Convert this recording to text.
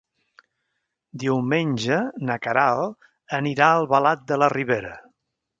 Diumenge na Queralt anirà a Albalat de la Ribera.